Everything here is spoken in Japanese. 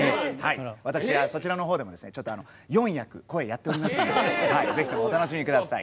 私はそちらのほうでもちょっと４役声やっておりますんでぜひともお楽しみ下さい。